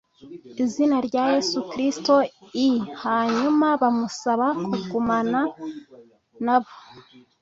Izina rya yesu kristo i hanyuma bamusaba kugumana na bo